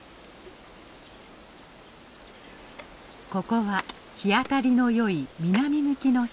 ここは日当りのよい南向きの斜面。